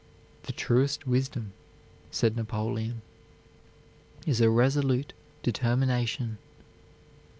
"The truest wisdom," said Napoleon, "is a resolute determination."